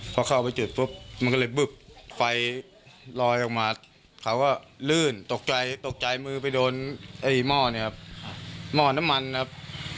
พอเข้าไปจุดปุ๊บมันก็เลยบึ๊บไฟลอยออกมาเขาก็ลื่นตกใจตกใจมือไปโดนม่อนน้ำมันครับ